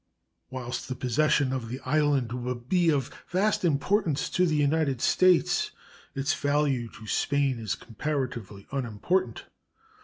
Whilst the possession of the island would be of vast importance to the United States, its value to Spain is comparatively unimportant.